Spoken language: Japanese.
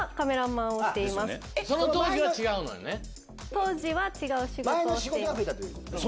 当時は違う仕事をしていました。